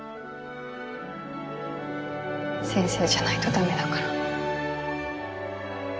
先生じゃないと駄目だから。